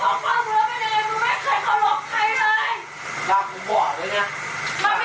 สั่งแต่เมื่อเจ็บแบบนี้